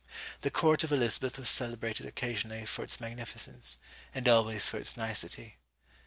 The court of Elizabeth was celebrated occasionally for its magnificence, and always for its nicety.